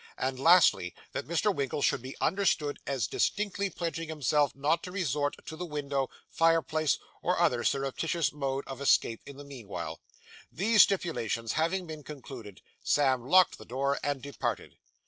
And, lastly, that Mr. Winkle should be understood as distinctly pledging himself not to resort to the window, fireplace, or other surreptitious mode of escape in the meanwhile. These stipulations having been concluded, Sam locked the door and departed.